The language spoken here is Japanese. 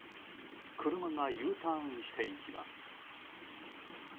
車がＵターンしていきます。